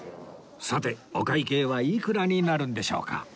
さてお会計はいくらになるんでしょうか？